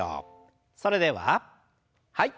それでははい。